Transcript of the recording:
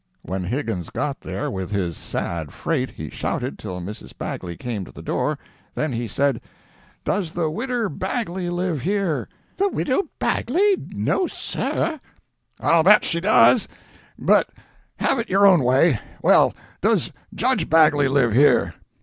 When Higgins got there with his sad freight, he shouted till Mrs. Bagley came to the door. Then he said: "Does the widder Bagley live here?" "The widow Bagley? No, Sir!" "I'll bet she does. But have it your own way. Well, does Judge Bagley live here?"